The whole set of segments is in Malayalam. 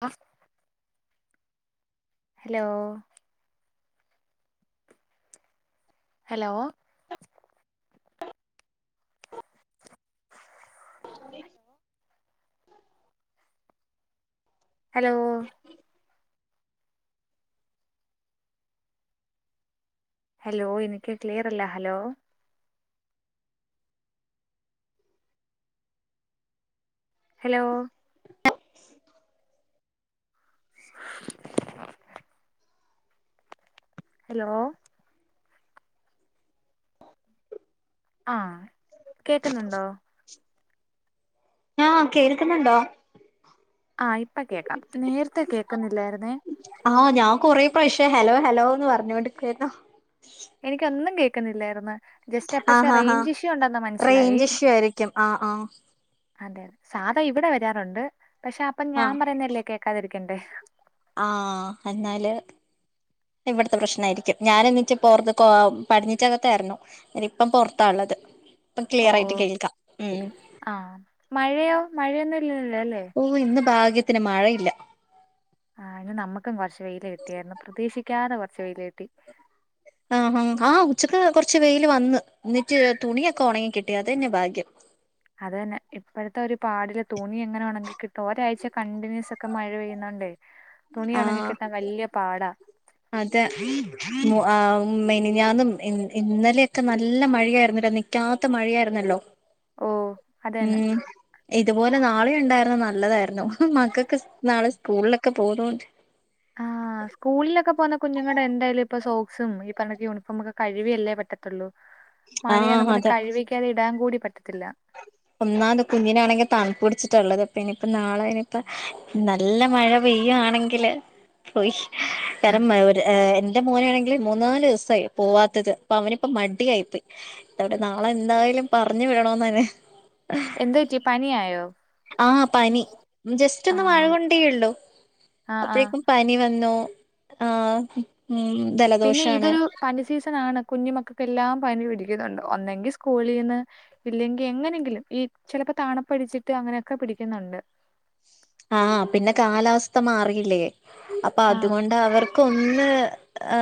അ ഹലോ ഹലോ ഓടേൻ ഹലോ ഹലോ എനിക്ക് ക്ലിയർ അല്ല ഹലോ ഹലോ ഹലോ ആ കേക്കുന്നുണ്ടോ ആ കേൾക്കുന്നുണ്ടോ ആ ഇപ്പൊ കേക്കാം നേരത്തെ കേൾക്കുന്നില്ലായിരുന്നേ ആഹ് ഞാൻ കൊറെ പ്രശ്യം ഹലോ ഹലോന്ന് പറഞ്ഞോണ്ട്ക്കെന്നു എനിക്കൊന്നും കേക്കുന്നില്ലായിരുന്ന് ജസ്റ്റ് എപ്പെ ആഹ് ആഹ് ആഹ് റേയിഞ്ച്ഷ്യ ഉണ്ടന്ന് മനസ്സിലായി റേഞ്ച് ഇഷ്യൂ ആയിരിക്കും ആഹ് ആഹ് അതെ സാധാ ഇവിടെ വരാറുണ്ട് പക്ഷെ അപ്പം ഞാൻ പറയുന്നല്ലേ കേക്കാതിരിക്കണ്ടേ ആ എന്നാല് ഇവിടത്തെ പ്രശ്നയിരിക്കും ഞാന എന്നിച്ച പോറത്ത്ക്കോ പഠിഞ്ഞിട്ടതാ യിരുന്നു ഇനി ഇപ്പം പൊറത്താള്ളത് ഇപ്പം ഓ ക്ലിയർ ഓ ആയിട്ട് കേൾക്കാം ഉം ആ മഴയോ മഴയൊന്നും ഇല്ലന്നില്ലോ അല്ലേ ഓയ് ഇന്ന് ഭാഗ്യത്തിന് മഴയില്ല ഒ ആ ഇന്ന് നമ്മുക്കും കുറച്ച് വെയിൽ കിട്ടിയായിരുന്നു പ്രതീക്ഷിക്കാതെ കുറച്ച് വെയിൽ കിട്ടി ആഹ് അ ആ ഉച്ചക്ക് കുറച്ച് വെയിൽ വന്ന് എന്നിട്ട് തുണിയൊക്കെ ഉണങ്ങി കിട്ടി അത തന്നെ ഭാഗ്യം അത് തന്നെ ഇപ്പോഴത്തെ ഒരു പാടില തുണി എങ്ങനെ ഉണങ്ങി കിട്ടും ഒരാഴ്ച കണ്ടിന്യൂസ് ഒക്കെ മഴ പെയ്യുന്നൊണ്ടേ തുണി ഒണങ്ങി ആഹ് കിട്ടാൻ വല്യ പാടാ അതെ മു അ മിനിഞാന്നും ഇ ഇന്നലെയൊക്കെ നല്ല മഴയായിന്നിരിന്നില്ലേ പറ്റാത്ത മഴയായിരുന്നല്ലോ റ്റ ഓ അത് തന്നെ ഉംമ്മ് ഇതുപോലെ നാളെയ ഉണ്ടായിരുന്ന നല്ലതായിരുന്നു ഹി മക്കൾക്ക് നാളെ സ്കൂളിലൊക്കെ പോകുന്നണ്ട് ആ ആ സ്കൂളിലൊക്കെ പോന്ന കുഞ്ഞുങ്ങളുടെ എന്തായാലും ഇപ്പൊ സോക്സും ഈ പറഞ്ഞക്ക് യൂണിഫോമ ഒക്കെ കഴിവിയല്ലേ പറ്റത്തുള്ളൂ മഴയാന്ന് ആഹ് പറഞ്ഞ് അതെ കഴിവിക്കാതെ ഇടാൻ കൂടി പറ്റത്തില്ല ഒന്നാത് കുഞ്ഞിനാണെങ്കിൽ തണു പിടിച്ചിട്ടുള്ളത് അപ്പ ഇനിയിപ്പ നാളെ ഇനിപ്പ നല്ല മഴ പെയ്യുയാണെങ്കിൽ ലെ പോയി കരം ഏ എന്റെ മോനൊണെങ്കിൽ മൂന്നാല് ദിവസയി പോവാത്തത് അപ്പൊ അവനിപ്പ മടിയായിയിപ്പോ ഇതവിടെ നാളെ എന്തായാലും പറഞ്ഞു വേണതന്നെ എന്ത്‌ പറ്റി പനി ആായോ ആ പനി ജസ്റ്റ് ഒന്ന് മഴ കൊണ്ടേള്ളോ ആ ആ അപ്പോഴേക്കും പനി വന്നൂ ആഹ് ഉം ജലദോഷാണ് സീസണാണ് കുഞ്ഞി മകക്കെല്ലാം പനി പിടിക്ക്ന്ന്ണ്ട് ഒന്നുങ്കി സ്കൂളീന്ന് ഇല്ലെങ്കിൽ എങ്ങനെങ്കിലും ഈ ചിലപ്പോ താണപ്പടിച്ചിട്ട് അങ്ങനെക്കെ പിടിക്കുന്നുണ്ട് ആ പിന്നെ കാലാവസ്ഥ മാറിയില്ലേ അപ്പൊ ആ അതുകൊണ്ട് അവർ ഒന്ന് ഹെ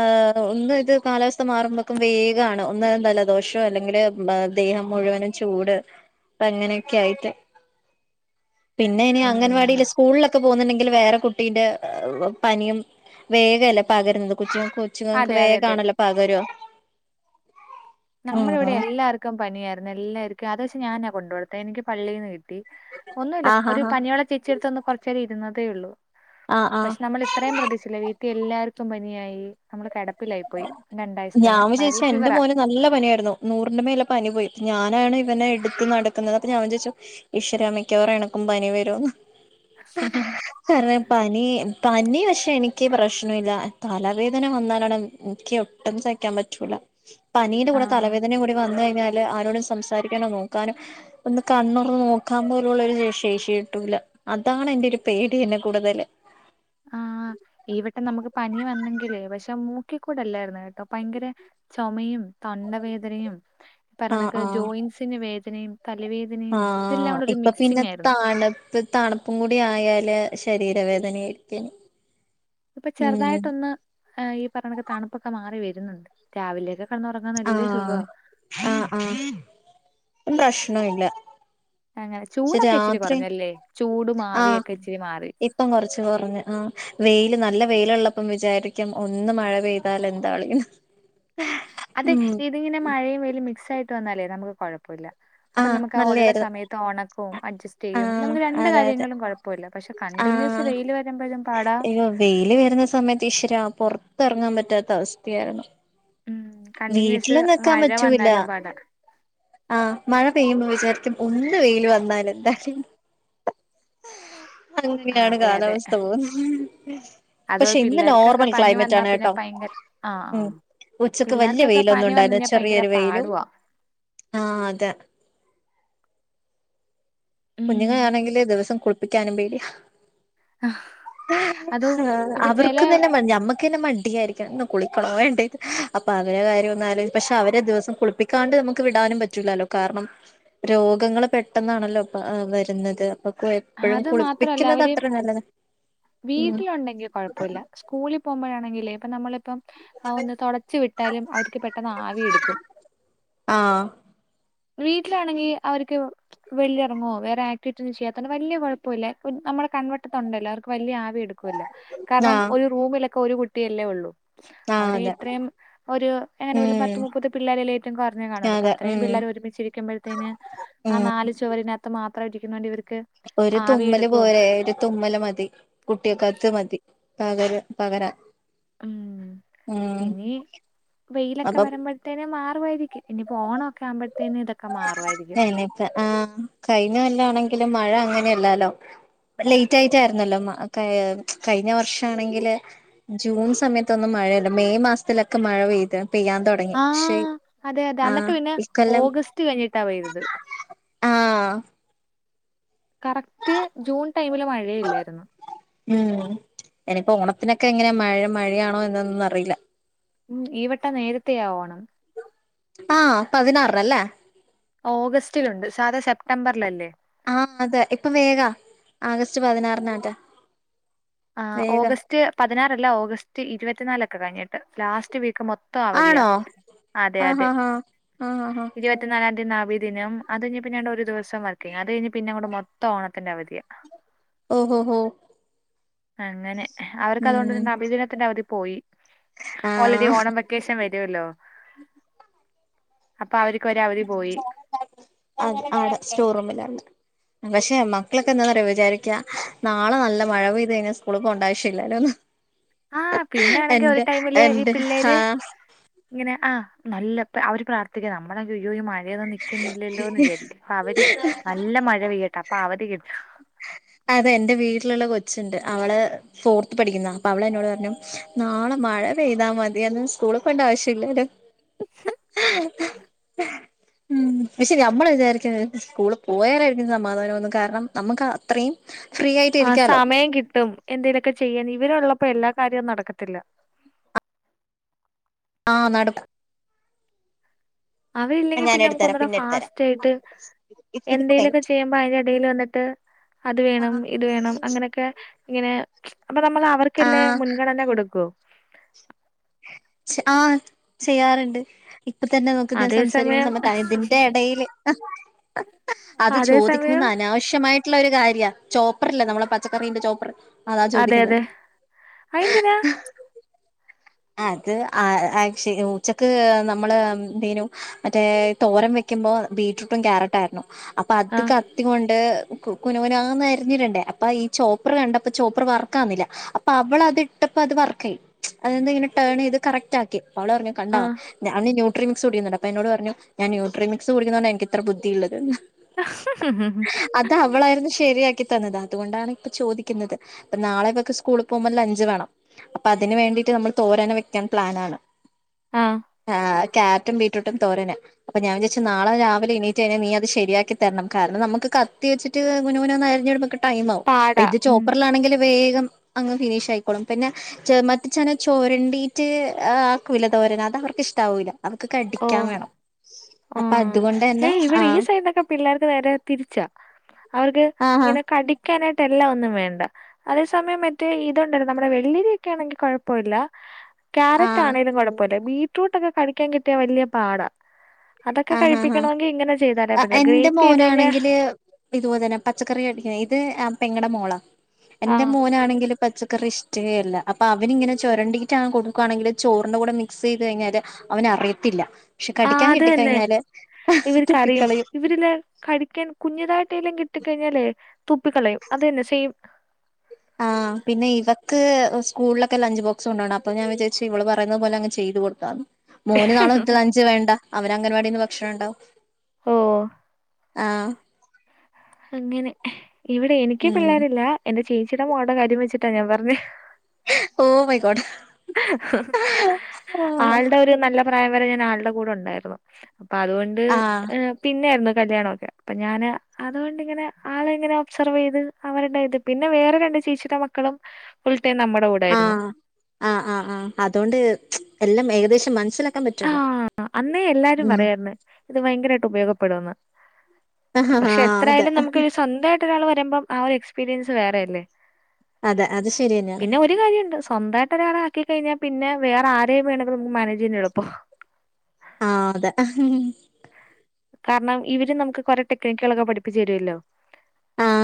ഒന്ന് ഇത് കാലാവസ്ഥ മാറുമ്പോക്കും വേഗാണ് ഇന്ന് ജലദോഷം അല്ലെങ്കില് ദേഹം മുഴുവനും ചൂട് അങ്ങനെയൊക്കെ ആയിട്ട് പിന്നെ ഇനി അംഗൻവാടി ഉം സ്കൂളിലൊക്കെ പോകുന്നുണ്ടെങ്കിൽ വേറെ കുട്ടീന്റെ പനിയും വേഗല്ലേ പകരുന്നത് കൊച്ചിയും ഉച്ചുങ്ങക്ക് അതെ അതെ അതെ വേഗണല്ലോ പകരോ നമ്മളിവടെ എല്ലാർക്കു പനിയായിര്ന്നു. എല്ലാർക്കു അത് പഷെ ഞാനാ കൊണ്ട് കൊടുത്തെ. എനിക്ക് പള്ളീന്ന് കിട്ടി ഒന്നുല്ല ആഹ് ഹാ ഒരു ഹാ പനിയുള്ള ചേച്ച്ട്ത്തൊന്ന് കൊറ്ച്ചേരം ഇരുന്നതെ ഉള്ളു. ആഹ് ആഹ് പക്ഷെ നമ്മള് അത്രയും പ്രതീക്ഷില്ല വീട്ടി എല്ലാർക്കു പനിയായി. നമ്മള് കെട പ്പിലായി പോയി. ഞാൻ രണ്ടാഴ്ച്ചത്തിന് വൈറൽ വിചാരിച്ചു എന്റെ ഫ്ലൂവറ മോന് നല്ല പനിയായിരുന്നു നൂറിന്റെ മേലെ പനി പോയി. ഞാനാണ് ഇവനെ എട്ത്ത് നടക്ക്ന്നത് അപ്പൊ ഞാൻ ചൊയ്ച്ചു ഈശ്വരാ. മിക്കവാറും എനിക്കും പനി വരൂന്ന്. [inaudible] കാരണം പനി പനി പഷെ എനിക്ക് പ്രശ്നല്ല. തലവേദന വന്നാലാണ് ക്ക് ഒട്ടും സഹിക്കാ പറ്റൂല. പനീടെ ആ കൂടെ തലവേദനയും കൂടി വന്ന് കഴിഞ്ഞ ആരോടും സംസാരിക്കനൊ നോക്കാനൊ ഒന്ന് കണ്ണൊറന്ന് നോക്കാ പോല്ള്ളൊരു ശേഷി കിട്ടൂല അതാണ് എന്റൊരു പേടിയെന്നെ കൂടുതല് ആഹ് ഈ വട്ടം നമ്മക്ക് പനി വന്നെങ്കില് പക്ഷെ മൂക്കിക്കൂടല്ലായിരന്നു കെട്ടോ പയങ്കര ചൊമയും തൊണ്ടവേദനയും ആഹ് പറ്ണൊക്കെ ആഹ് ജോയിൻസിന് വേദനയും തലവേ ആഹ് ഇപ്പൊ പിന്നെ താണ് ഇപ്പ തണുപ്പും കൂടി ആയാല് ശരീരവേദനയിരിക്ക ഇപ്പൊ ചെറ്തായിട്ടൊന്ന് ഈ പറ്ണൊക്കെ തണുപ്പൊക്കെ മാറി വരുന്നുണ്ട്. രാവിലെയൊക്കെ കടന്നൊറ ആഹ്. ആഹ് ആഹ്. പ്രശ്നൊല്ല അങ്ങനെ ചൂടൊക്കെ ഇച്ചിരി കൊറഞ്ഞല്ലെ. ചൂടും ആഹ് ആവിയൊക്കെ ഇച്ചിരി മാറി ഇപ്പം കൊറച്ച് കൊറഞ്ഞ്. ആഹ് വെയില് നല്ല വെയിലുള്ളപ്പൊ വിജാരിക്കും ഒന്ന് മഴ പെയ്താലെന്താ ളീന്ന് അതെ ഇത്ങ്ങനെ മഴയും വെയിലും മിക്സായിട്ട് വന്നാലെ നമ്മക്ക് കൊഴപ്പല്ല അപ്പം നമ്മക്ക് ആഹ് ഒള്ള സമയത്ത് ഒണക്കും അഡ്ജസ്റ്റീയ്യും ആഹ് നമ്മക്ക് രണ്ട് അതെ അതെ കാര്യങ്ങളും കൊഴപ്പ പ്പല്ല പക്ഷെ കണ്ടിന്യൂസ് ആഹ് വെയില് വരുമ്പഴും പാടാ അയ്യോ വെയില് വരുന്ന സമയത്ത് ഈശ്വരാ പൊറത്തെറങ്ങാ പറ്റാത്ത അവസ്ഥയാരുന്നു ഉം കണ്ടിന്യൂസ് വീട്ട്ല് നിക്കാ മഴ പറ്റൂല വന്നാലും പാടാ ആഹ് മഴ പെയ്യുമ്പൊ വിജാരിക്കും ഒന്ന് വെയില് വന്നാലെന്താ [unintelligible] അങ്ങെനേണ് അതെ അതെ കാലാവസ്ഥ പോവ് അത് പക്ഷെ ഇന്ന് പിള്ളേർക്കൊക്കെ നോർമൽ പനി വന്നാ ക്ലൈമറ്റാണ് പിന്നെ കെട്ടോ. ഭയങ്കര ആ ആ ഉം ഉച്ച വല്യ പിള്ളേർക്കൊക്കെ പനി വന്നു വെയിലൊന്നുണ്ടായിര്ന്നില്ല കഴിഞ്ഞാൽ ഭയങ്കര ചെറിയൊരു വെയിലും. പാടുവാ ആഹ് അതെ ഉം കുഞ്ഞുങ്ങളാണെങ്കില് ദിവസം കുളി പ്പിക്കാനും പേടിയ. അതോ ഇപ്പൊ ചെല അവർക്കും തന്നെ ഞമ്മ ക്കന്നെ മടിയായിരിക്കും. ഇന്ന് കുളിക്കണൊ വേണ്ടെ. അപ്പൊ അവരെ കാര്യൊന്നാലൊ പഷെ അവരെ ദിവസം കുളിപ്പി ക്കാണ്ട് നമ്മക്ക് വിടാനും പറ്റൂലാല്ലൊ. കാരണം രോഗങ്ങള് പെട്ടെന്നാണല്ലൊ. ആഹ് വര്ന്നത് അപ്പം എപ്പഴും അത് മാത്രല്ല കുളിപ്പിക്ക്ന്നത് അവര് അത്ര നല്ലത് ഉം സ്കൂളി പോവുമ്പഴാണെങ്കില്. ഇപ്പ നമ്മളിപ്പൊ ആഹ് ഒന്ന് തൊടച്ച് വിട്ടാല് അവർക്ക് പെട്ടെന്ന് ആവി ഇട്ക്കും ആഹ് വീട്ടിലാണെങ്കി അവര്ക്ക് വെള്ളിഎറങ്ങൊ. വേറെ ആക്ടിവിറ്റി ചെയ്യ വല്യ കൊഴപ്പല്ല നമ്മളെ കൺവെട്ടത്തുണ്ടല്ലൊ. അവർക്ക് വല്യ ആവി എട്ക്കൂല്ല. കാരണം ആഹ് ഒരു റൂമിലൊക്കെ ഒരു കുട്ടിയല്ലെ ഉള്ളു. ആഹ് അവ്ടെ അതെ ഇത്രേം ഒര് എങ്ങനെ പത്ത് ഉം മുപ്പത് പിള്ളേരല്ലെ കൊറഞ്ഞു കാണൊലോ. അപ്പൊ അതെ അത്രേം ഉം പിള്ളെര് ഒരുമിച്ചിരിക്കുമ്പഴത്തീന് ആ ഉം നാല് ചുവറിനകത് മാത്രം ഇരിക്കുന്നോണ്ട് ഇവർക്ക് ഒരു ആവി തുമ്മല് എടുക്കും പോരെ ഒരു തുമ്മല് മതി. കുട്ടീക്കത് മതി. പകരം പകരാൻ ഉം ഉം ഇനി. വെയിലൊക്കെ അപ്പൊ വരുമ്പ ത്തേന് മാറുആയിരിക്കും. ഇനിയിപ്പൊ ഓണൊക്കെ ആവുമ്പത്തിന് ഇതൊക്കെ മാറുആയിരി നിപ്പ. ആഹ് കഴിഞ്ഞ കൊല്ലാണെങ്കിലും മഴ അങ്ങനെയല്ലാലൊ ലെയ്റ്റായ്റ്റായിരുന്നല്ലൊ കഴി കഴിഞ്ഞ വർഷാണെങ്കില് ജൂൺ സമയത്തൊന്നും മഴയില്ല മെയ് മാസത്തിലൊക്കെ മഴ പെയ്ത് പെയ്യാൻ തുടങ്ങ ആ അതെ അതെ അന്നിട്ടുപിന്നെ ഓഗസ്റ്റ് കഴിഞ്ഞിട്ടാ പെയ്യ്തത് ആ കറക്റ്റ് ജൂൺടൈമില് മഴ ഇല്ലായിരുന്നു ഉം എനിപ്പോ ഓണത്തിനെക്കെ എങ്ങനെയാ മഴ മഴയാണോ എന്നൊന്നും അറിയില്ല ഉം ഈവട്ടം നേരത്തെയാ ഓണം ആ പതിനാറിനല്ലേ ഓഗസ്റ്റിലുണ്ട് സാധാ സെപ്റ്റംബറിലല്ലേ ആം അതെ ഇപ്പൊവേഗാ ആഗസ്റ്റ് പതിനാറിനോറ്റേ ആ ഓഗസ്റ്റ് പതിനാറല്ല ഓഗസ്റ്റ് ഇരുപത്തിനാലൊക്കെ കഴിഞ്ഞിട്ട് ലാസ്റ്റ് വീക്ക് മൊത്ത് മൊത്തം അവധിയാ ആണോ അതെ ആഹ് അതെ ആഹ് ആഹ് ആഹ് ആഹ് ആഹ് ഇരുപത് ത്തിനാലാംതിയതി നബിദിനം അതുകഴിഞ്ഞ് പിന്നാണ്ട് ഒരുദിവസം വർക്കിങ്ങ് അതു കഴിഞ്ഞ് പിന്നങ്ങോട്ട് മൊത്തം ഓണത്തിന്റെ അവധിയാ ഓ ഹോ ഹോ അങ്ങനെ അവർക്കതുകൊണ്ടൊരു ഉം നബിദിനത്തിന്റെ അവധി പോയി ഓൾറെഡി ആഹ് ഓണം വെ ഉദ്ദേശം വരുവല്ലോ അപ്പൊ അവര്ക്ക് ഒരു അവധിപോയി അ അതെ സ്റ്റോറൂമിലാണ് പക്ഷെ മക്കളൊക്കെ എന്താനറിയോ വിചാരിക്കാ നാളെ നല്ല മഴപെയ്തുകഴിഞ്ഞാ സ്കൂളിപോണ്ടാവശ്യമില്ലല്ലോന്ന് ആ പിന്നാണെങ്കി ഒരു ടൈമില് ഈ എന്റെ പിള്ളേര് ആഹ് ഇങ്ങനെ ആ നല്ല പ്പ അവര് പ്രാർത്ഥിക്കുക നമ്മുളെ യ്യോ യ്യോ മഴയൊന്ന് നിക്കുന്നില്ലല്ലോ എന്നുവിചാരി അവര് നല്ലമഴ പെയ്യട്ടെ അപ്പൊ അവധി കിട്ട് അതെ എന്റെ വീട്ടിലുള്ള കൊച്ചുണ്ട് അവള് ഫോർത്ത് പഠിക്കുന്നാ അപ്പൊ അവള് എന്നോടുപറഞ്ഞു നാളെ മഴ പെയ്താമതിയെന്ന് സ്കൂളിൽ പോണ്ട ആവശ്യമില്ലല്ലോ [unintelligible] ഉം പക്ഷെ ഞമ്മള് വിചാരിക്കുന്നത് സ്കൂള് പോയാലായിരിക്കും സമാധാനം ഒന്നും കാരണം നമുക്ക് അത്രയും ഫ്രീ ആയിട്ട് ആ ഇരിക്കാലോ സമയം കിട്ടും എന്തേലൊക്കെ ചെയ്യാൻ ഇവരൊള്ളപ്പോ എല്ലാകാര്യവും നടക്കത്തില്ല ആ നടക്ക് അവരില്ലെങ്കിൽ ഞാൻ പിന്നെ നമുക്ക് എടുത്തരാം ഒന്നൂടെ പിന്നെ എടുത്തരാം ഫാസ്റ്റായിട്ട് ഇതിപ്പോ കഴിഞ്ഞു എന്തെലൊക്കെ ചെയ്യുമ്പോ അതിന്റെ ഇടയിൽ വന്നിട്ട് അത് വേണം ഇത് വേണം അങ്ങനെ ക്ക് ഇങ്ങനെ അപ്പൊനമ്മള് അവർക്കല്ലേ ആഹ് മുൻഗണന കൊടുക്കു ആ ചെയ്യാറുണ്ട് ഇപ്പതന്നെ നോക്ക് ഞാൻ അതേ സംസാരിക്കുന്ന സമയം സമയത്ത് അതിന്റെ ഇടേല് അ അത് അതേ സമയം ചോദിക്കുന്നത് അനാവശ്യമായി ട്ടുള്ള ഒരു കാര്യ ചോപ്പറല്ലേ നമ്മള പച്ചക്കറീന്റെ ചോപ്പർ അതാ അതെ ചോദിക്കുന്നത് അതെ അയന്തിനാ? അത് ആ ആക്ഷെ ഉച്ചക്ക് നമ്മള് എന്തേനു മറ്റേ തോരം വെക്കുമ്പോ ബീറ്റ്റൂട്ടും ക്യാരറ്റ് ആയിരുന്നു അപ്പൊ ആ അത് ക ത്തികൊണ്ട് കുനുകുനാന്ന് അരിഞ്ഞിടണ്ടെ അപ്പൊ ഈ ചോപ്പറുകണ്ടപ്പോ ചോപ്പർ വർക്കാവുന്നില്ല അപ്പൊ അവള് അത് ഇട്ടപ്പോ അത് വർക്കായി അതെന്തങ്ങനെ ടേൺ ചെയ്ത് കറക്റ്റ് ആക്കി അവള് പറഞ്ഞ് കണ്ടോ ആ ഞാന് ഞൊ ട്രിംസ് കുടിക്കുന്നുണ്ട് അപ്പൊ എന്നോടുപറഞ്ഞു ഞാന് ന്യൂട്രി മിക്സ് കുടിക്കുന്നോണ്ടാ എനിക്കിത്ര ബുദ്ധിയുള്ളത് എന്ന് അത് അവളായിരുന്നു ശരിയാക്കി തന്നത് അതുകൊണ്ടാണ് ഇപ്പൊ ചോദിക്കുന്നത്. അപ്പൊ നാളെഇവക്ക് സ്കൂളീപോവുമ്പോ ലഞ്ച് വേണം അപ്പൊ അതിനുവേണ്ടി നമ്മൾ തോരന് വെക്കാൻ പ്ലാൻ ആണ് ആ ക്യാരറ്റും ബീറ്റ്രൂട്ടും തോരന് അപ്പൊ ഞാൻ വിചാരിച് നാളെ രാവിലെ എണീറ്റ് കഴിഞ്ഞാൽ നീ അത് ശരിയാക്കി തരണം കാരണം നമുക്ക് കത്തി വെച്ചിട്ട് കുനു കുനാന്ന് അരിഞ്ഞടുക്കുമ്പം കിട്ടു ടൈമാവും പാടാ ഉം ഇതുചോപ്പറിലാണെങ്കിൽ വേഗം അങ്ങ് ഫിനിഷായിക്കോളും പിന്നെ ച്ചെന ചോരണ്ടീട്ട് ആക്കൂല്ലേ തോരന് അത് അവർക്ക് ഇഷ്ടാവൂല്ലാ അവക്ക് ഓ കടിക്കാൻ വേണം ആ അപ്പൊ അതുകൊണ്ടന്നെ ഹേയ് ആ ഇവിടെ ഈ സൈഡിലൊക്കെ പിള്ളേർക്ക് നേരെതിരിച്ചാ അവർക്ക് ആഹാ ഇങ്ങനെ കടിക്കാനായിട്ട് എല്ലാം ഒന്നും വേണ്ട അതേ സമയം മറ്റേ ഇതൊണ്ടായിരുന്ന നമ്മുടെ വെള്ളിരിയൊക്കെ ആണെങ്കിൽ കുഴപ്പമില്ല. ക്യാരറ്റ് ആഹ് ആണേലും കൊഴപ്പോല്ല ബീറ്റ്‌റൂട്ടൊക്കെ കഴിക്കാൻ കിട്ടിയാ വലൃപാടാ അതൊക്കെ ആഹ് ആഹ് ആഹ് കഴിപ്പിക്കണമെങ്കി ഇങ്ങനെ ചെയ്താലേ പറ്റില്ല എന്റെ ഗ്രേറ്റ് ചെയ്തുകഴിഞ്ഞാ മോനാണെങ്കില് ഇതുപോലെ തന്നെ പച്ചക്കറി കടിക്ക ഇത് പെങ്ങടെ മോളാ ആ എന്റെ മോനാണെങ്കിലും പച്ചക്കറി ഇഷ്ടേ അല്ല അപ്പൊ അവനി ഇങ്ങനെ ചുരണ്ടിയിട്ടാണ് കൊടുക്കുകയാണെങ്കില് ചോറിന്റെ കൂടെ മിക്സ് ചെയ്ത് കഴിഞ്ഞാല് അവന് അറിയത്തില്ല പക്ഷെ ആ കടിക്കാൻ കിട്ടി അത് തന്നെ ഇവര് കരയും ഇവരിലെ കഴിക്കാൻ കുഞ്ഞതായിട്ടെല്ലാം കിട്ടി കഴിഞ്ഞാലേ തുപ്പി കളയും അത് തന്നെ സെയിം ആ പിന്നെ ഇവക്ക് സ്കളിലൊക്കെ ലഞ്ച് ബോക്സ് കൊണ്ടോണം അപ്പൊ ഞാൻ വിചാരിച് ഇവള് പറയുന്ന പോലെ അങ്ങ് ചെ ചെയ്തു കൊടുക്കാന്ന് മോന് നാളെ ലഞ്ച് വേണ്ട അവന് അംഗൻവാടിന്ന് ഭക്ഷണം ഉണ്ടാവും ഓ ആ അങ്ങനെ ഇവിടെ എനിക്ക് ഉം പിള്ളേരില്ല എന്റെ ചേച്ചിയുടെ മോൾടെ കാര്യം വെച്ചിട്ടാ ഞാൻ പറഞ്ഞെ ഓ മൈ ഗോഡ് [inaudible] ആള്ടെ ഒരു നല്ല പ്രായം വരെ ഞാൻ ആളുടെ കൂടെ ഉണ്ടായിരുന്നു അപ്പൊ അതുകൊണ്ട് ആഹ് പിന്നെ ആയിരുന്നു കല്യാണമൊക്കെ അപ്പൊ ഞാന് അതുകൊണ്ടിങ്ങനെ ആളെ ഇങ്ങനെ ഒബ്സെർവ് ചെയ്ത് അവര് ഇണ്ടായത് പിന്നെ വേറെ രണ്ട് ചേച്ചിയുടെ മക്കളും ഫുൾടൈം നമ്മുടെ കൂടായിരുന്നു ആ ആ ആ അതുകൊണ്ട് എല്ലാം വേക ഏകദേശം മനസ്സിലാക്കാൻ ആ പറ്റുവല്ലോ അന്നേ എല്ലാരും ഉം പറയായിരുന്നു ഇത് ഭയങ്കരമായിട്ട് ഉപയോഗപ്പെടുന്ന് ആഹ് പക്ഷെ അതെ എത്രായാലും നമുക്ക് സ്വന്തമായി മറ്റൊരാൾ വരുമ്പം ആ ഒരു എക്സ്പീരിയൻസ് വേറെയല്ലേ അതെ അത് ശരി തന്നെയാണ് പിന്നെ ഒരു കാര്യണ്ട് സ്വന്തായിട്ട് ഒരാളെ ആകി കഴിഞ്ഞാൽ പിന്നെ വേറെ ആരേ വേണെങ്കിലും നമുക്ക് മാനേജ് ചെയ്യാൻ എളുപ്പാ ആ അതെ കാരണം ഇവര് നമുക്ക് കൊറെ ടെക്നിക്കുകളൊക്കെ പഠിപ്പിച്ച് തരുമല്ലോ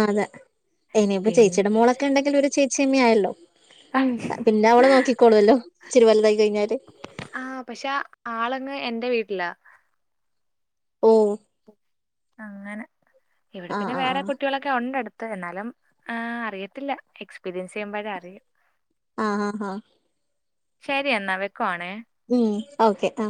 അതെ ഇനിയിപ്പോ പിന്നെ ചേച്ചിയുടെ മോളൊക്കെ ഉണ്ടെങ്കിൽ ഒരു ചേച്ചിയമ്മ ആയല്ലോ പിന്നെ അവള് നോക്കിക്കോളുമല്ലോ ഇചിരി വലുതായി കഴിഞ്ഞാല് ആ പക്ഷെ ആള് അങ്ങ് എന്റെ വീട്ടിലാ ഓ അങ്ങനെ ഇവിടെ ആഹ് പിന്നെ ആഹ് വേറെ ആഹ് കുട്ടികളൊ ക്കെ ഉണ്ട് അടുത്ത് എന്നാലും അറിയത്തില്ല എക്സ്പീരിയൻസ് ചെയ്യുമ്പോഴേ അറിയൂ ആ ആ ആ ശരിയെന്നാ വെക്കുവാണേ ഉം ഓക്കെ ആ